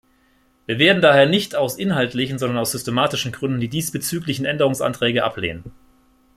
Wir werden daher nicht aus inhaltlichen, sondern aus systematischen Gründen die diesbezüglichen Änderungsanträge ablehnen.